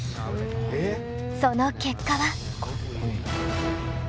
その結果は？